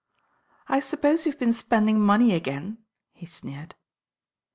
"I suppose youVe been spending money again, he sneered.